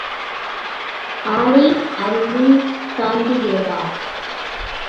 ஆளை அறிந்து தாண்டுகிறதா?